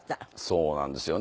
そうなんですよね。